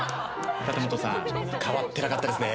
立本さん変わってなかったですね。